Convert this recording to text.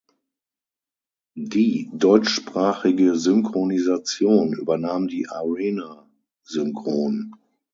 Die deutschsprachige Synchronisation übernahm die Arena Synchron.